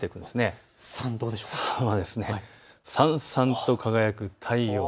さん、さんさんと輝く太陽。